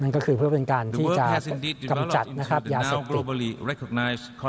นั่นก็คือเพื่อเป็นการที่จะกำจัดยาเสกติก